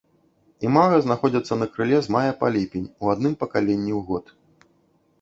Імага знаходзяцца на крыле з мая па ліпень у адным пакаленні ў год.